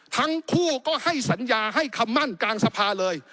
ทั้งคู่ก็ให้สัญญาให้คำมั่นกลางสภาเลย